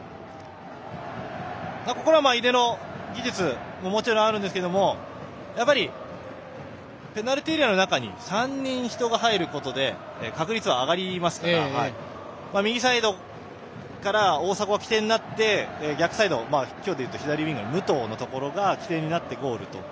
井出の技術ももちろんあるんですけどやっぱりペナルティーエリアの中に３人、人が入ることで確率は上がりますから右サイドから大迫が起点になって逆サイド、今日は左ウイングの武藤のところが起点になってゴールと。